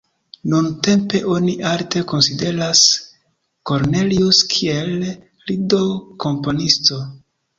Nuntempe oni alte konsideras Cornelius kiel lido-komponisto.